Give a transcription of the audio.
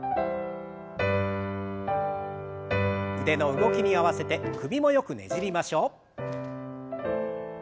腕の動きに合わせて首もよくねじりましょう。